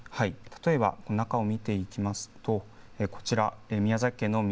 例えば、中を見ていきますと、こちら。